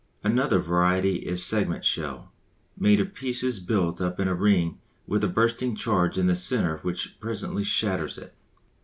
Another variety is segment shell, made of pieces built up in a ring with a bursting charge in the centre which presently shatters it.